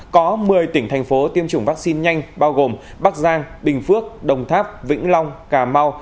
có một mươi tỉnh thành phố tiêm chủng vaccine nhanh bao gồm bắc giang bình phước đồng tháp vĩnh long cà mau